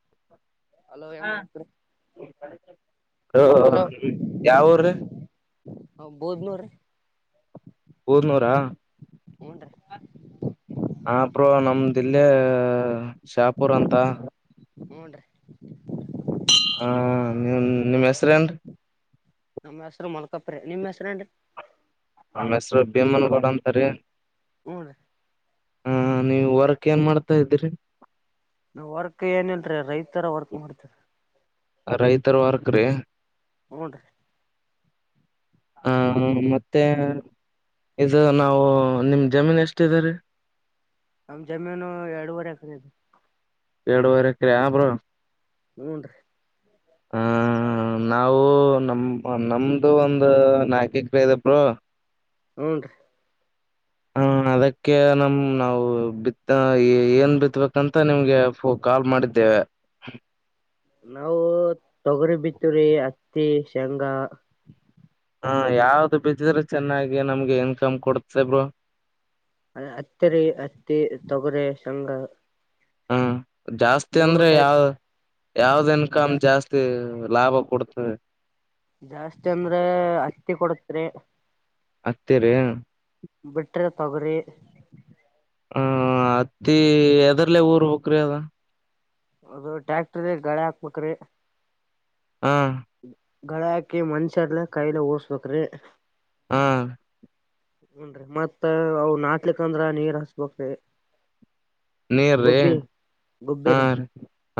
ಹ ಹಲೋ ಏ ಮಾಡತ್ೀ ಹ ಕ ಅವ್ರ ಹ ಬೋದ್ನೂರೀ ಹದನೂರಾ ಹೂನ್ರಿ ಆಪ್ರ ನಮ್ದಲ್ಲಿೇ ಶಾಪುರ್ ಅಂತ ಹ್ಞೂ ರ ಹ ನೀ ನಿಮ್ಮ್ ಹೆಸ್ರೇನ್ ನಮ್ಮ್ ಹೆಸರು ಮಲ್ಕಪ್ರೆ ನಿಮ್ಮ್ ಹೆಸರು ಏನ್ೀ ಆಮೇಶ್ವರ ಬಿಮಲಗಡಂತಾರೆ ಹೂನ್ರಿ ಹಾ ನೀವು ವರ್ಕ್ ಏನ್ ಮಾಡ್ತಾ ಇದ್ದಿರಿ ವರ್ಕ್ ಏನಲ್ರೀ ರೈತರ ವರ್ಕ್ ಮಾಡ್ತಾರ ರೈತರ ವರ್ಕ್ ರೀ ಹ್ಞನ್ ರಿ ಆ ಮತ್ತೆ ಇದು ನಾವು ನಿಮ್ ಜಮೀನ್ ಎಷ್ಟ್ದರಿೀ ನಮ ಜಮೀನು ಎರಡುವರೆ ಎಕರೆ ಇದು ಎಡುವರೆ ಎಕ್ರೆ ಹಾ ಬ್ರೋ ಹೂನ್ ರಿ ಹಾ ಹ ನಾವು ನಮ ನಮ್ದು ಒಂದು ನಾಕೇಕ್ರೆ ಇದೆ ಬರು ಹಊನ್ ರೀ ಹಾ ಅದಕ್ಕೆ ನಮ ನಾವು ಬಿತ್ತ ಏನ್ ಬಿತ್ಬೇಕಂತ ನಿಮ್ಗೆ ಕಾಲ್ ಮಾಡಿದ್ದೇವೆ [inaudible] ನಾವು ತೊಗರಿ ಬಿತ್ತರಿ ಹತ್ತಿ ಶೇಂಗಾ ಹಾ ಯಾವ್ದು ಬಿದ್ದ್ರೆ ಚೆನ್ನಾಗಿ ನಮ್ಗೆ ಇನ್ಕಮ್ ಕೊಡುತೆ ಬ್ರರ್ ಅದ ಅತ್ತರಿ ಅತ್ತಿ ತೊಗರೆ ಶಂಗ ಹ್ಮ ಜಾಸ್ತಿ ಅಂದ್ರೆ ಯಾವ ಯಾವ್ದ ಜ ಇನ್ಕಮ್ ಜಾಸ್ತಿ ಲಾಭ ಕೊಡ್ತದೆ ಜಾಸ್ತಿ ಅಂದ್ರೆ ಹತ್ತಿ ಕೊಡತ್ರಿ ಅತ್ತರೆ ತೋಗರಿ ಹ್ಮ ಅತ್ತ ಎದರ್ಲ್ಲ ಊರು ಬೇಕರಿ ಅದು ಅದು ಟ್ಯಾಕ್ಟ್ರ ಗಾಳೆ ಹಾಕ್ಬೇಕ್ರಿ ಹಾ ಗಳ ಹಾಕಿ ಮನ್ಷ್ಯರ್ಲ್ಲ ಕೈಲ ಓಸ್ಬೇಕ್ರಿ ಹಾ ಹನ್ರಿ ಮತ್ ಅವ ನಾಟ್ಲಿಕ್ ಅಂದ್ರ ನೀರ್ ಹಸ್ಬ್ರಿ ನೀರ್ರಿ ಗೊಬ್ಬಿ ಗೊಬ್ಬಿ ಹಾ ರ ರೀ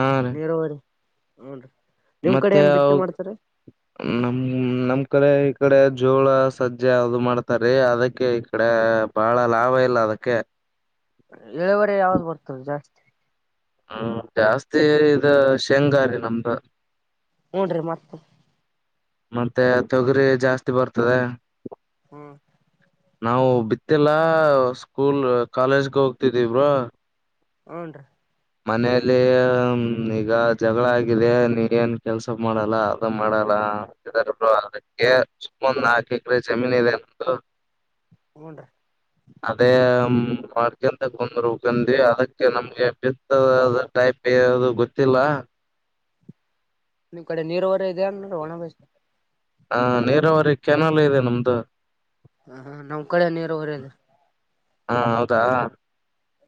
ಹಾ ರೀ ನರೋವರೆ ಹ್ಮ ರಿ ಮತ್ತೆ ನಮ ನಮ್ ಕಡೆ ಈ ಕಡೆ ಜೋಳ ಸಜ್ಜೆ ಯಾವದು ಮಾಡ್ತಾರಿೀ ಅದಕ್ಕೆ ಈ ಕಡೆ ಬಹಳ ಲಾಭ ಇಲ್ಲ ಅದಕ್ಕೆ ಎಳುವರೆ ಯಾವ್ದು ಬರ್ತದೆ ಜಾಸ್ತಿ ಹ್ಮ್ ಜಾಸ್ತಿ ಇ ಶೇಂಗಾರಿ ನಮ್ದು ಹಊನ್್ರರಿ ಮತ್ತ ಮತ್ತೆ ತೊಗರಿ ಜಾಸ್ತಿ ಬರ್ತದೆ ಹ್ಮ್ ನಾವು ಬಿತ್ತಲ್ಲ ಸ್ಕೂಲ್ ಕಾಲೇಜ್ಗೆ ಹೋಗ್ತಿದ್ದೀವ್ರ ಹನ್ರೀ ಮನೆಯಲ್ಲಿ ಹ ಈಗ ಜಗಳ ಆಗಿದೆ ನೀ ಏನ್ ಕೆಲ್ಸ ಮಾಡಲ್ಲ ಅದ ಮಾಡಲ್ಲ ಹ ಅದಕ್ಕೆ ಸುಂದ ನಾಕು ಎಕರೆ ಜಮೀನ್ ಇದೆ ಅ ಹೂನ್ರಿ ಅದೇ ಮಾಡ್ಕಂತ ಬಂದ್ರು ಕಿ ಅದಕ್ಕೆ ನಮ್ಗೆ ಟೈಪ್ದು ಯಾವ್ದು ಗೊತ್ತಿಲ್ಲ ನಿಮ್ ಕಡೆ ನೀರ್ ಹೊರ ಇದೆಯ ನೋಡ ಒಣ ಬಸ್ ಹಾ ನೀರಾವರಿ ಕೆ್ಯನಲ್ ಇದೆ ನಮ್ದು ಹ ನಮ್ಮ್ ಕಡೆ ನೀರು ಹೊರದ ಹಾ ಹೌದಾ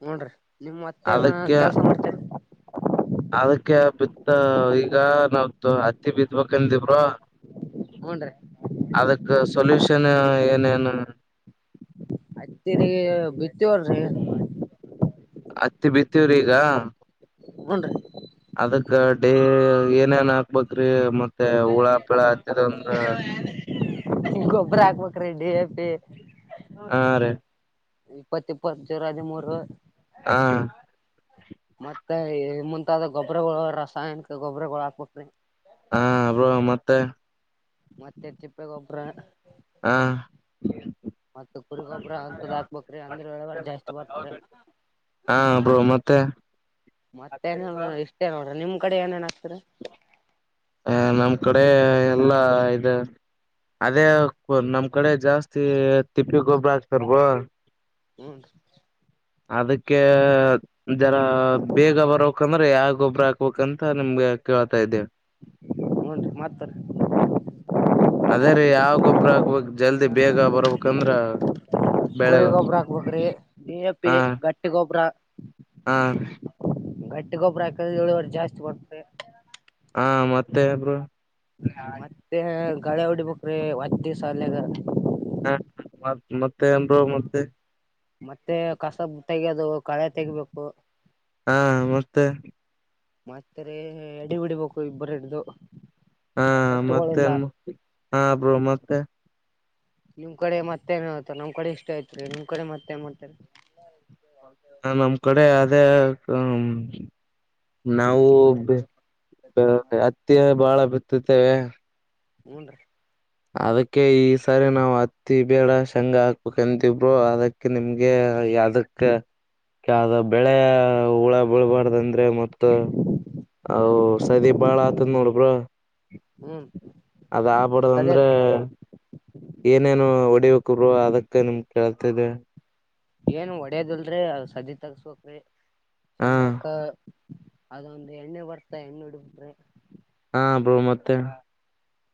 ನೋಡ್ರಿ ನಿಮ್ ಮತ್ತೇ ಏನ ಅದಕ್ಕೆ ಕೆಲ್ಸ ಮಾಡಡ್ತೀರಿ ಅದಕ್ಕೆ ಬಿತ್ತ ಈಗ ನಾವ್ದ ಹತ್ತಿ ಬಿತ್ಬೇಕಂದಿವ್ರ ಹೂನ್ರಿ ಅದಕ್ಕ ಸೊಲ್ಯೂಷನ್ ಏನೇನು ಅತ್ತರಿ ಬಿತಿವಲ್ರಿ ಹತ್ತಿ ಬಿತ್ತೀವ್ರಿ ಈಗ ಹ್ನ್ ರೀ ಅದಕ್ಕ ಡೇ ಏನೇನ್ ಹಾಕ್ಬೇಕ್ರಿ ಮತ್ತೆ ಹುಳಾಪಳ ಗೊಬ್ಬರ ಹಾಕ್ಬೇಕ ರೆಡ್ ಡಿ ಎಪಿ ಹಾ ರೇ ಇಪ್ಪತ್ ಇಪ್ಪತ್ತು ಜರು ಹದಿಮೂರು ಹಾ [inaudible] ಮತ್ತ ಮುಂತಾದ ಗೊಬರಗಳು ರಾಸಾಯನಿಕ ಗೊಬರಗಳು ಹಾಕತೆ ಹಾ್ರೋ ಮತ್ತೆ ಮತ್ತೆ ಚಿಪ್ಪಗೊಬ್ರ ಹಾ ಮತ್ತತ್ ಕುರಿಗೊಬ್ರ ಅಂಂತದ್ ಹಾಕ್ಬೇ್ರಿ ಅಂದ್ರೆ ಒಳಗ ಜಾಸ್ತಿ ಬರ್ತಾರ ಹಾ ಬ್ರೋ ಮತ್ತೆ ಮತ್ತೆ ಏನೇ ಇಷ್ಟೇ ನೋಡ್ರಿ ನಿಮ್ ಕಡೆ ಏನೇನ್ ಆಗ್ತರ ಹ ನಮ್ ಕಡೆ ಎಲ್ಲ ಇದು ಅದೇ ನಮ್ ಕಡೆ ಜಾಸ್ತಿ ತಿಪ್ಪಿ ಗೊಬ್ಬರ ಆಕ್ತಾರಬೋ ಹ್ಮ್ ಅದಕ್ಕೆ ಜರ ಬೇಗ ಬರೋ ಮುಕಂದ್ರೆ ಯಾವ ಗ ಒಬ್ಬ್ರ ಹಾಕ್ಬೇಕು ಅಂತ ನಿಮ್ಗೆ ಕೇಳ್ತಾ ಇದ್ದೇವೆ ಹ್ನ್ರಿ ಮಾಡತ್ತಾರೆ ಅದೇ ರೀ ಯಾವ ಗೊಬ್ಬ್ರ ಹಾಕ್ಬೇಕಕ್ ಜಲ್ದಿ ಬೇಗ ಬರ್ಬೇಕಂದ್ರ ಕುರ ಬೆಳೆಗ ಗೊಬ್ಬರ ಬ್ರೆ ನೀಿಯ ಪೇ ಗಟ್ಟ ಗೊಬ್ಬರ ಆ ಗಟ್ಟಿ ಗೊಬ್ಬರ ಹಾಕ್ರ ಏಳುವರ್ಷ ಜಾಸ್ತಿ ಕೊಡ್ತೆ ಹಾ ಮತ್ತೆ ಒಬ್ರು ಮತ್ತೆ ಗಳೆ ಹೊಡಿಬೇಕ್ರೀ ಹತ್ತ ದಿವ್ಸಲ್ಯಾಗ ಹ ಮ ಮತ್ತೆ ಅಂದರು ಮತ್ತೆ ಮತ್ತೆ ಕಸ ತೆೆಗೆಯೋದು ಕಳೆ ತೆಗಬೇಕು ಹಾ ಮತ್ತೆ ಮತ್ತ ಅಡಿ ಬಿಡಿಬೇಕು ಇಬ್ಬರುಡ್ದು ಹಾ ಮತ್ತೇನ್ ಹಾ ಬ್ರೋ ಮತ್ತೆ ನಿಮ್ ಕಡೆ ಮತ್ತೆ ಏನ್ತ ನಮ್ ಕಡೆ ಇಷ್ಟ ಐತ್ರಿ ನಿಮ್ ಕಡೆ ಮತ್ತೇನ್ ಮಾಡ್ತಾರೆ ಅದ [unintelligible] ನಾವು ಅತ್ತಿ ಬಾಳ ಬಿತ್ತುತ್ತೇವೆ ಹಊಞನ್ ರೀ ಅದಕ್ಕೆ ಈ ಸಾರಿ ನಾವ್ ಹತ್ತಿ ಬೇಡ ಶಂಗ ಹಾಕ್ಬೇಕಂತಬ್ರರು ಅದಕ್ಕೆ ನಿಮ್ಗೆ ಯದಕ್ಕ ಯ್ದ ಬೆಳೆ ಹುಳ ಬಿಳ್ಬಾರ್ದಂದ ಮತ್ತ ಅ ಸದಿ ಬಾಳ ಆತದ ನೋಡಬ್ರ ಹ್ಮ್ ಅದ ಸದ ಆಗ್ಬಡೋದಂದ್ರೆ ಏನೇನು ಹೊಡಿಬೇಕರು ಅದಕ್ಕೆ ನಿಮ ಕೇಳ್ತಿದೆ ಏನ್ ಒಡ್ಯದಲ್ರೀ ಅ ಸದಿ ತಗಸ್ಬಕ್ಿ ಹಾ ಶಂಗಕ್ಕ ಅದೊಂದು ಎಣ್ಣು ಬರ್ತ ಎಣ್ಣು ಹಡ್ಬಿಟ್ರಿ ಹಾ ಬೋ ಮತ್ತೆ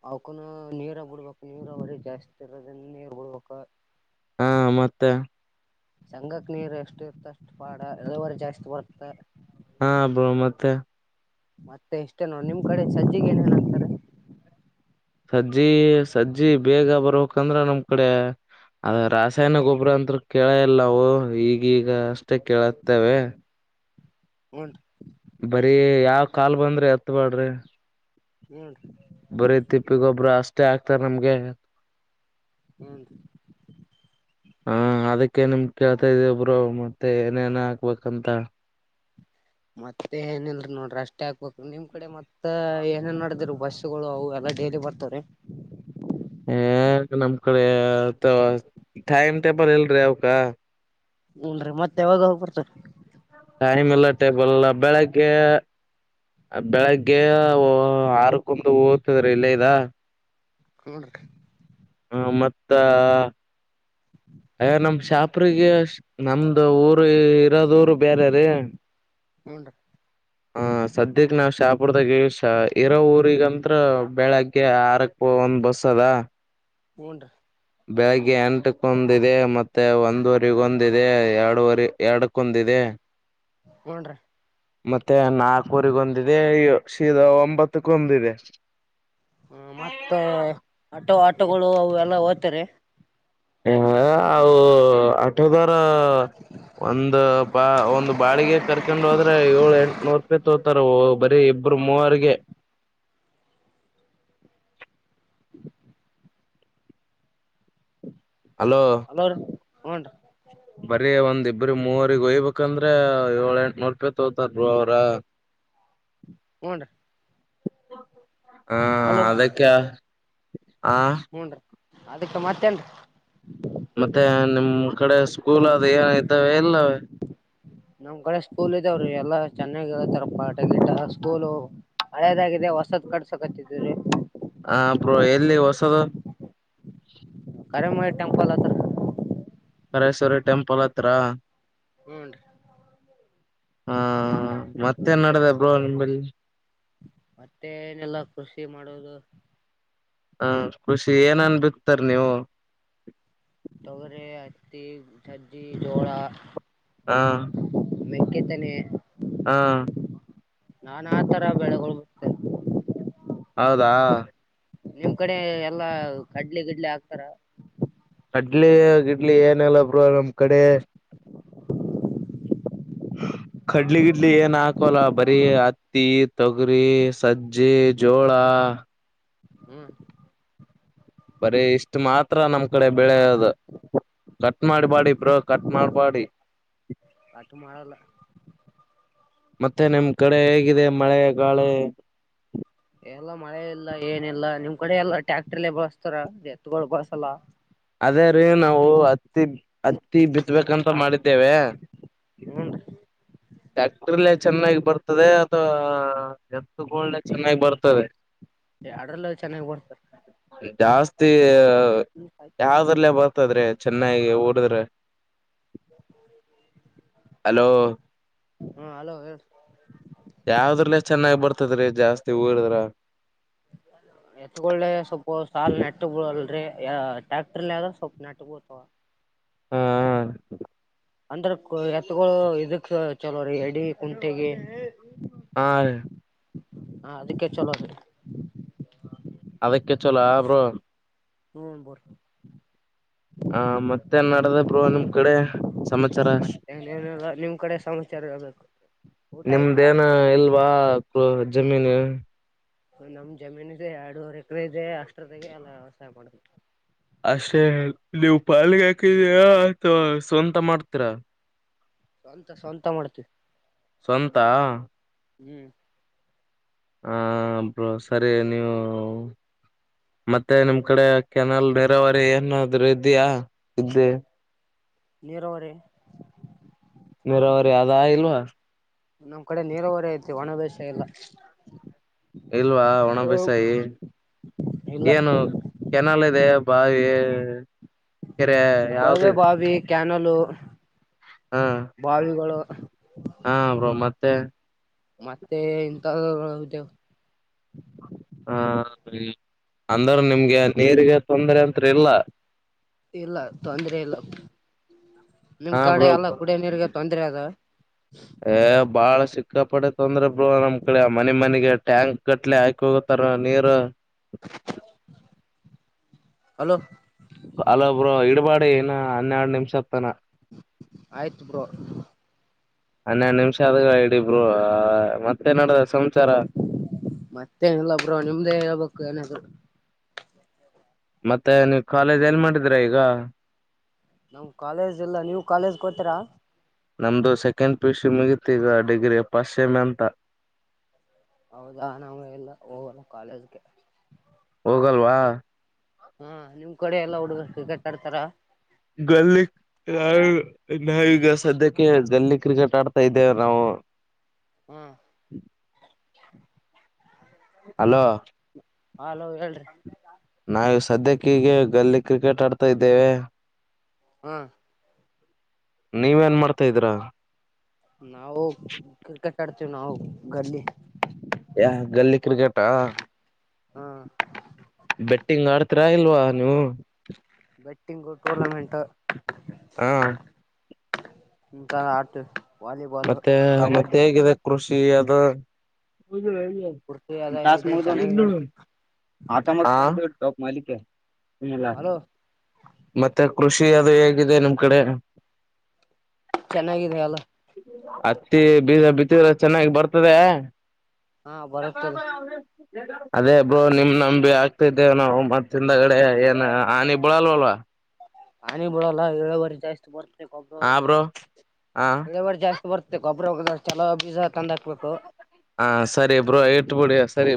ಅವಕನ ನೀರ ಬಿಡ್ಬಕ್ ನೀರ ಬರಿ ಜಾಸ್ತಿ ಇರದ ನೀರ್ ಬಿಡ್ಬೇಕ ಹಾ ಮತ್ತೆ ಸಂಗಕ್ ನೀರು ಎಷ್ಟು ಇರ್ತ ಅಷ್ಟು ಬಾಡ ಎವರಿ ಜಾಸ್ತಿ ಬರುತ್ತೆ ಹಾಬೋ ಮತ್ತೆ ಮತ್ತೆ ಎಷ್ಟೇನೋ ನಿಮ್ ಕಡೆ ಸಜ್ಜಿಿಗೆ ಏನೇನ್ ಆಕ್ತಾರೆ ಸಜ್ಜಿ ಸಜ್ಜಿ ಬೇಗ ಬರ್ಂದ್ರ ನಮ್ ಕಡೆ ಅದ ರಾಸಾಯನ ಗೊಬ್ಬ್ರ ಅಂತರು ಕೇಳ ಇಲ್ಲ ನಾವು ಈಗೀಗ ಮ ಕೇಳುತ್ತೇವೆ ಹ್ನ್ ಬರೀ ಯಾವ ಕಾಲ್ ಬಂದ್ರೆ ಎತ್ಬಾಡ್ರಿ ಹ್ಮೀ ಬರೀ ತಿಪ್ಪಿಗೊಬ್ಬ್ರ ಅಷ್ಟೇ ಆಗ್ತಾರ ನಮ್ಗೆ ಹೂನ್ ಹಾ ಅದ [unintelligible] [unintelligible] ಅಕೆ ನಿಮ್ ಕೇಳ್ತಾ ಇದ ಒಬ್ರು ಮತ್ತೆ ಏನೇನ ಹಾಕ್ಬೇಕಂತ ಮತ್ತೆ ಏನಲ್ರ ನೋಡ್ರಿ ಅಷ್ಟೇ ಹಾಕ್ಬೇಕ ನಿಮ್ ಕಡೆ ಮತ್ತತ್ ಏನೇನ್ ನೋಡಿದ್ರರು ಬಸ್ಗಳು ಅವು ಎಲ್ಲ ಡೈಲಿ ಬರ್ತಾರೆ [unintelligible] ವಾ ಟೈಮ್ ಟೇಬಲ್ ಇಲ್ರಿ ಅವಕ [unintelligible] ಹನ್ರೀ ಮತ್ತೆ ಯಾವಾಗ ಹೋಗಬರ್ತಾರ ಟೈಮ್ ಎಲ್ಲ ಟೇಬಲ್ ಬೆಳಗ್ಗೆ ಬೆಳಗ್ಗೆ ಆರ್ಕ್ಕಂದು ಓದ್ತದ್ರಿ ಇಲ್ಲೇ ಇದ ಹಡ [unintelligible] [unintelligible] ಹ ಮತ್ತ ಅ ನಮ ಶಾಪ್ರಿಗೆ ನಮ್ದು ಊರು ಇರೋದ ಬೇರೆ ರೀ ಹುನ್ ರಿ ಹ ಸದ್ಯಕ್ ನಾವ್ ಶಾಪುರ್ದಾಗ ಇರೋ ಊರಿಗಂತ್ರ ಬೆಳಗ್ಗೆ ಆರಕ್ [unintelligible] ಒಂದ್ ಬಸ್ ಅದಾ ಹುನ್ ರಿ ಬಗ್ಗೆ ಎಂಟ ಕು ಒಂದ ಇದೆ ಮತ್ತೆ ಒಂದುವರಿ ಒಂದಿದೆ ಎರಡುವರಿ ಎರಡಕ್ಕಂದ ಇದೆ ಹ [unintelligible] ಹ ರಿ ಮತ್ತೆ ನಾಲ್ಕೂರಿಗೊಂದಿದೆ ಶೀದ ಒಂಬತ್ತಕ್ಕೊಂದಿದೆ ಹ್ಮ ಮತ್ತೆ ಆಟೋ ಆಟೋಗಳು ಅ ಎಲ್ಲ ಹೂದ್ತರಿ ಹ ಅವು ಆಟದರ ಒಂದ ಬಾ ಒಂದ್ ಬಾಳಿಗೆ ಕರ್ಕೊಂಡ ಹೋದ್ರೆ ಏಳು ಎಂಟಟ್ ನೂರು ರೂಪಾಯಿ ತೋತಾರ ಬರೀ ಬರಿ ಮೂವರಿಗೆ ಅಲೋ ಹಲೋರೀ ಹ್ನ್ ಬರೀ ಒಂದಿಬ್ಬ್ರ ಮೂವರಿಗ್ ಒಯ್ಬೇಕಂದ್ರೆ ಏಳ ಎಂಟು ನೋಡ್ಪಾಯಿ ತಗತಾರರು ಅವ್ರ [inaudible] [unintelligible] ಹು ರಿ ಹಾ ಅದಕ್ಕ ಆ ಹೂನ್ರಿ ಅದಕ್ಕೆ ಮತ್ತೇನ್ ಮತ್ತೆ ನಿಮ್ಮ್ ಕಡೆ ಸ್ಕೂಲ್ ಅದು ಏನ ಇದ್ದಾವೆ ಎಲ್ಲವ ನಮ್ ಕಡೆ ಸ್ಕೂಲ್ ಇದವಿ ಎಲ್ಲಾ ಚೆನ್ನಾಗಿರತ್ತಾರ ಪಾಠ ಸ್ಕೂಲ್ ಹಳೇದಾಗಿದೆ ಹೊಸ ಕಡ್ಸಕತ್ತಿದೀರೀ ಹ ಬ್ರೋ ಎಲ್ಲಿ ಹೊಸದು ಹರಮಯ ಟೆಂಪಲ್ ಹತ್ರ ಹರೇಶ್ವರಿ ಟೆಂಪಲ್ ಹತ್ರ ಹ್ಞನ್ ರಿ ಹಾ ಮತ್ತೇ ನಡದ ಅಬ್ರವರಿ ನಿಂಬಲ್ಲಿ ಮತ್ತೆ ಏನೆಲ್ಲ ಕೃಷಿ ಮಾಡೋದು ಹಾ ಕೃಷಿ ಏನನ್ ಬಿಕ್ತರ್ ನೀವು ತೊಗರಿ ಹತ್ತಿ ಚಾಜ್ಜಿ ಜೋಳ ಹಾ ಮೇಕೆತನೆ ಹಾ ನಾ ಆ ತರ ಬೆಳಗಳ್ಬತೇನೆ ಹೌದಾ ನಿಮ್ ಕಡೆ ಎಲ್ಲಾ ಕಡ್ಲಿ ಗಿಡ್ಲಿ ಹಾಕ್ತಾರ ಕಡ್ಲೆ ಗಿಡ್ಲೆ ಏನೆಲ್ಲ ಬರು ನಮ್ ಕಡೆ ಹ್ಮ ಕಡ್ಲಿ ಗಿಡ್ಲಿ ಏನ್ ಹಾಕಲ್ಲ ಬರಿ ಹತ್ತಿ ತೊಗರಿ ಸಜ್ಜಿ ಜೋಳ ಹ [inaudible] ಹ್ಮ್ ಬರಿೀ ಇಷ್ಟ ಮಾತ್ರ ನಮ್ ಕಡೆ ಬೆಳೆಯದು. ಕಟ್ ಮಾಡಿ ಬ್ರೊ ಕಟ್ ಮಾಡ್ ಮಾಡಿ. ಆಟು ಮಾಡಲ್ಲ ಮತ್ತೆ ನಿಮ್ ಕಡೆ ಹೇಗಿದೆ ಮಳೆ ಗಾಳಿ. ಎಲ್ಲ ಮಳೆ ಇಲ್ಲ ಏನ ಇಲ್ಲ ನಿಮ್ ಕಡೆ ಎಲ್ಲ ಟ್ಯಾಕ್ಟರ್ಲ್ಲ ಬಳಸ್ತಾರ ಎತ್ಗಳು ಬಳಸಲ್ಲ. ಅದೇ ರೀ ನಾವು ಹತ್ತಿ ಹತ್ತಿ ಬಿತ್ಬೇಕಂತ ಮಾಡಿದ್ದೇವೆ. ಹೂನ್ರಿ ಟ್ಯಾಕ್ಟ್ರಲೆ ಚೆನ್ನಾಗಿ ಬರ್ತದೆ ಅಥವಾ ಎತ್ಗಳ ಚೆನ್ನಾಗಿ ಬರ್ತದೆ. ಎಡ್ರಲ್ಲ ಚೆನ್ನಾಗ್ ಬಡ್ತರ್ - ಯಾವ್ದ್ರಲ್ಲೇ ಬರ್ತದ್ರೆ ಚೆನ್ನಾಗಿ ಓಡದ್ರ. ಹಲೋ ಹಲೋ ಹೇಳ ಯಾವದ್ರಲ್ಲಿ ಚೆನ್ನಾಗ್ ಬರ್ತದ್ರೀ ಜಾಸ್ತಿ ಹೊಡುದ್ರ ಎತ್ಕೊಳ್ಳ ಸಲ್ಪ ಸಾಲ ನೆಟ್ಟಗ್ ಟ್ಯಾಕ್ಟರ್ ಆದ್ರ ಸೊಪ್ ನಟ್ [unintelligible] ಹಾ ಅಂದ್ರ ಎತ್ಗಳು ಇದಕ್ ಚಲೋ ರೀ ಎಡಿ ಕುಂಟೆಗೆ. ಹಾ ಹ ಅದಿಕ್ಕೆೆ ಚಲೋ. ಅದಕ್ಕೆ ಚಲೋ ಅ [unintelligible] ಹ್ಮ್ ಮತ್ ಹ ಮತ್ತೆ ನಡದ ಬೋ ನಿಮ್ ಕಡೆ ಸಮಾಚಾರ. ಮತ್ತೇನಿಲ್ಲ ನಿಮ್ ಕಡೆ ಸಮಾಚಾರ ಹೇಳ್ಬೇಕು ಊಟ ಆಯ್ತಾ ನಿಮ್ದೇನ ಇಲ್ವಾ ಜಮೀನು. ನಮ್ ಜಮೀನ ಇದೆ ಎರಡೂವರ್ ಎಕ್ರೆ ಇದೆ ಅಷ್ಟರಗೆ ಎಲ್ಲ ವ್ಯವಸಾಯ ಮಾಡ ಅಷ್ಟೆ ನೀವು ಪಾಲ್ಗೆ ಹಾಕಿದಿರ ಅಥವಾ ಸ್ವಂತ ಮಾಡ್ತೀರಾ. [inaudible] ಸ್ವಂತ ಸ್ವಂತ ಮಾಡ್ತೀವಿ. ಸ್ವಂತ ಹ್ಮ್ ಹ ಬ್ರೊ ಸರಿ ನೀವು. ಮತ್ತೆ ನಿಮ್ ಕಡೆ ಕೆನಲ್ ನೆರಾವರಿ ಏನಾದ್ರೂ ಇದ್ಯಾ ಇದ್ ನೀರವರಿ ನೀರಾವರಿ ಅದ ಇಲ್ವಾ. ನಮ್ ಕಡೆ ನೀರಾವರ ಐತಿ ಒಣ ದಷ ಇಲ್ಲ ಇಲ್ವಾ ಒಣ ಬೆಸಾಯಿ. ಇಲ್ಲ ಏನು ಕೆನಲ್ ಇದೆ ಬಾವಿ ಕೆರೆ ಯಾವ್ದ ಕೊಳವೆ - ಬಾವಿ ಕ್ಯಾನಲು ಬಾವಿಗಳು ಹಾ ಬ್ರೋ ಮತ್ತೆ ಮತ್ತೆ ಇಂತ [unintelligible] ಹ ಅಂದ್ರ ನಿಮ್ಗ ನೀರಿಗೆ ತೊಂದರೆ ಅತ್ರಿ ಇಲ್ಲ. ಇಲ್ಲ ತೊಂದ್ರೆ ಇಲ್ಲ. ನಿಮ್ ಹಾ ಕಡೆ ಬ್ರೋ ಎಲ್ಲ ಕುಡಿಯ ನೀರ್ಗೆ ತೊಂದ್ರೆ ಅದ. ಕಪಟೆ ತೊಂದ್ರೆ ಬ್ರೋ ನಮ್ ಕಡೆ ಮನೆ ಮನೆಗೆ ಟ್ಯಾಂಕ್ ಗಟ್ಲೆ ಹಾಕ ಹೋಗತಾರ ನೀರು. ಹಲೋ ಹಲೊ ಬ್ರೊ ಇಡ್ಬಾಡಿ ಏನ್ನ ಹನ್ನೆರಡ್ ನಿಮ್ಷ ಅದ್ ಆಯ್ತು ಬ್ರೋ - ಹನ್ನೆರಡ್ ನಿಮ್ಷ ಅದ ಬ್ರೊ ಮತ್ತೆ ನೆಡದದ್ ಮತ್ತೆ ಎನ್ ಇಲ್ಲ ಬ್ರೊ ನಿಮ್ದೇ ಹೇಳ್ಬೇಕು ಏನಾದ್ರೂ ಮತ್ತೆ ನೀವು ಕಾಲೇಜ್ ಎಲ್ಲಿ ಮಾಡಿದ್ರಾ ಈಗ ನಮ್ ಕಾಲೇಜ್ ಇಲ್ಲ ನೀವು ಕಾಲೇಜಗ ಹೋಗ್ತೀರಾ ನಮ್ದು ಸೆಕೆಂಡ್ ಪಿಯುಸಿ ಮುಗತಿ ಈಗ ಡಿಗ್ರಿ ಫಸ್ಟ್ ಸೇಮಿ ಅಂತ ಹೌದಾ ನಾವು ಎಲ್ಲ ಹೋಗಲ್ಲ ಕಾಲೇಜ್ಗೆ ಹೋಗಲ್ವಾ ಹಾ ನಿಮ್ ಕಡೆ ಎಲ್ಲಾ ಹುಡುಗರ ಕ್ರಿಕೆಟ್ ಆಡ್ತಾರ ಗಲ್ಲಿ ನಾವ ಈಗ ಸದ್ಯಕ್ಕೆ ಗಲ್ಲಿ ಕ್ರಿಕೆಟ್ ಆಡ್ತಾ ಇದ್ದೇವೆ ನಾವು ಹ್ಮ್ ಹಲೋ ಹಲೋ ಹೇಳ್ರಿ ನಾವ ಸದ್ಯಕ್ಕೆ ಹೀಗೆ ಗಲ್ಲಿ ಕ್ರಿಕೆಟ್ ಆಡ್ತಾ ಇದ್ದೇವೆ. ಹಾ ನೀವೇನ್ ಮಾಡ್ತಾ ಇದ್ದೀರಾ ನಾವು ಕ್ರಿಕೆಟ್ ಆಡ್ತೀವಿ ನಾವು ಗಲ್ಲಿ ಯ ಗಲ್ಲಿ ಕ್ರಿಕೆಟಾ ಹಾ ಬೆಟ್ಟಿಂಗ್ ಆಡ್ತೀರಾ ಇಲ್ವಾ ನೀವು ಬೆಟ್ಟಿಂಗ್ ಟೂರ್ನಮೆಂಟ್ ಹ ಇಂತಾವ ಆಡತೀವಿ ಮತ್ತೆ ಮತ್ತೆ ಹೇಗಿದೆ ಕೃಷಿ ಅದು ಕುರ್ತಿ ಅದ ಟಾಸ್ ಇದೆ ಚೆನ್ನಾಗಿ ಮುಗದವನ ನೋಡಿ ಮಾಡ ಹಾ ಆಟೋ ಡಬ್ ಮಲಿಕ್ಕೆ ಹಲ್ಲ ಹಲೋ ಮತ್ತೆ ಕೃಷಿ ಅದು ಹೇಗಿದೆ ನಿಮ್ ಕಡೆ ಚೆನ್ನಾಗಿದೆ ಅಲ್ಲ ಹತ್ತಿ ಬೀಜ ಬಿತ್ತಿದರ ಚೆನ್ನಾಗಿ ಬರ್ತದೆ ಅ ಹಾ ಅ್ರ ಬರುತ್ತದೆ ಬಾ [unintelligible] ಅದೇ ಬ್ರೋ ನಿಮ್ ನಂಬಿ ಆಗ್ತಿದ್ದೇವೆ ನಾವು ಮತ್ತಿಂದಗಡೆ ಏನ ಆ ನಿ ಬೀಳಅಲ್ವಲ್ವಾ ಹಾನಿ ಬಿಳಲ್ಲ ಇಳೇವರ್ ಜಾಸ್ತಿ ಬರ್ತನ ಒಬ್ಬ ಹಾ ಹೋಗದ್ರೆ ಬ್ರೋ ಹ ಇಳೇವಾರಿ ಜಾಸ್ತಿ ಬರ್ತಕ್ ಗೋಬ್ರ ವಗದಷ್ಟ ಚಲೋ ಬೀಜ ತಂದಹಾಕ್ಬೇಕು. ಹಾ ಸರಿ ಬ್ರೋ ಇಟ್ ಬಿಡಿ ಸರಿ